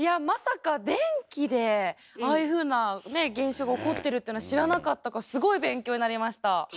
まさか電気でああいうふうな現象が起こってるっていうのは知らなかったからすごい勉強になりました。